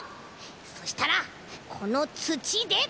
そしたらこのつちで！